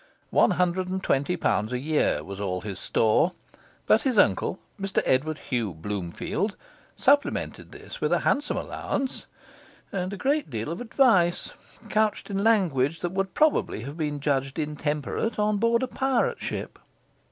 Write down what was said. One hundred and twenty pounds a year was all his store; but his uncle, Mr Edward Hugh Bloomfield, supplemented this with a handsome allowance and a great deal of advice, couched in language that would probably have been judged intemperate on board a pirate ship.